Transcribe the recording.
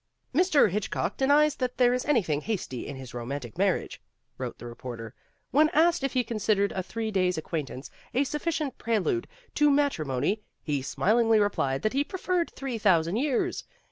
"Mr. Hitchcock denies that there is anything hasty in his romantic marriage," wrote the re porter. "When asked if he considered a three days' acquaintance a sufficient prelude to mat rimony, he smilingly replied that he preferred three thousand years.